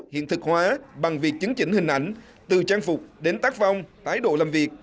hiện thực hóa bằng việc chứng chỉnh hình ảnh từ trang phục đến tác phong thái độ làm việc